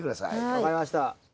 分かりました。